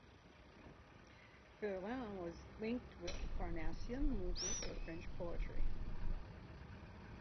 Verlaine was linked with the Parnassien movement in French poetry.